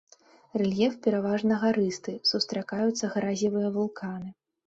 Рэльеф пераважна гарысты, сустракаюцца гразевыя вулканы.